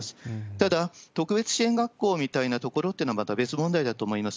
ただ、特別支援学校みたいな所っていうのはまた別問題だと思います。